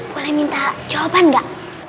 boleh minta jawaban gak